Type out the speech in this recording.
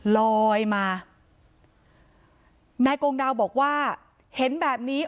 ลอยมานายกงดาวบอกว่าเห็นแบบนี้